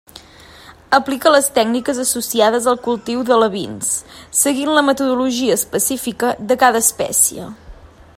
Aplica les tècniques associades al cultiu d'alevins, seguint la metodologia específica de cada espècie.